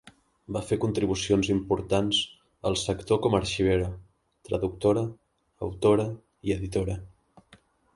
Va fer contribucions importants al sector com a arxivera, traductora, autora i editora.